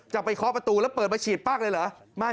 เคาะประตูแล้วเปิดมาฉีดปั๊กเลยเหรอ